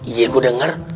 iya gua dengar